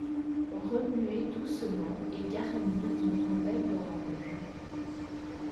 Remuer doucement et garnir d'une rondelle d'orange.